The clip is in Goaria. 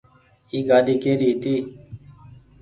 اي گآڏي ڪيري هيتي